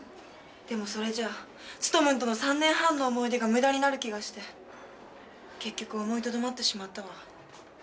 でもそれじゃあツトムンとの３年半の思い出が無駄になる気がして結局思いとどまってしまったわ。